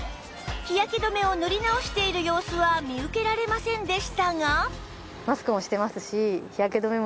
日焼け止めを塗り直している様子は見受けられませんでしたが